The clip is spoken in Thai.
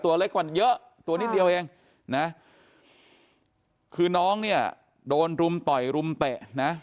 ตัวเล็กกว่าเยอะตัวนิดเดียวเองนะคือน้องเนี่ยโดนรุมต่อยรุมเตะนะ